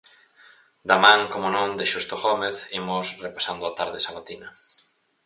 Da man, como non, de Xusto Gómez, imos repasando a tarde sabatina.